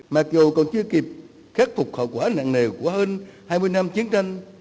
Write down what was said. mặc dù còn chưa kịp khắc phục hậu quả nặng nề của hơn hai mươi năm chiến tranh